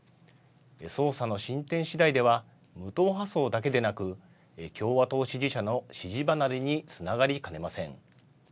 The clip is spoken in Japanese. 捜査の進展しだいでは、無党派層だけでなく、共和党支持者の支持離れにつながりかねません。